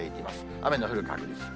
雨の降る確率。